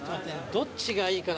どっちがいいかな？